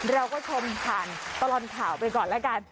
เราก็ชมผ่านตลอดข่าวไปก่อนแล้วกัน